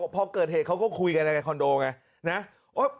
พอเกิดเหตุเขาก็คุยกันในคอนโดไงนะ